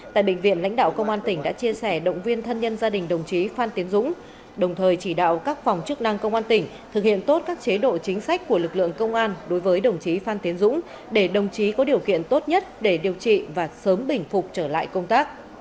tại bệnh viện lãnh đạo công an tỉnh đã chia sẻ động viên thân nhân gia đình đồng chí phan tiến dũng đồng thời chỉ đạo các phòng chức năng công an tỉnh thực hiện tốt các chế độ chính sách của lực lượng công an đối với đồng chí phan tiến dũng để đồng chí có điều kiện tốt nhất để điều trị và sớm bình phục trở lại công tác